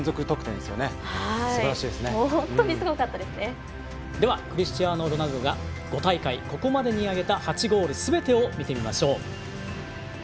ではクリスチアーノ・ロナウドが５大会、ここまでに挙げた８ゴールすべてを見てみましょう。